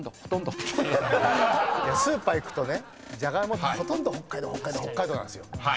スーパー行くとねじゃがいもってほとんど北海道なんですよ。